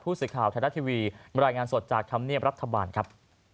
ผู้สิทธิ์ข่าวไทยรัฐทีวีรายงานสดจากคำเนียมรับทราบาลครับ